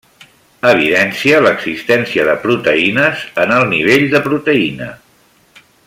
Evidència l'existència de proteïnes en el nivell de proteïna.